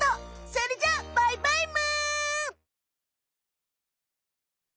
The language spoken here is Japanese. それじゃあバイバイむ！